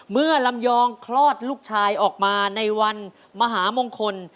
เมื่อลำยองคลอดลูกชายออกมาในวันมหามงคล